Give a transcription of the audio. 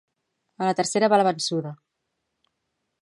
A la tercera va la vençuda